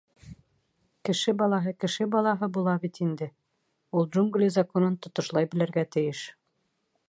— Кеше балаһы кеше балаһы була бит инде, ул Джунгли Законын тотошлай белергә тейеш.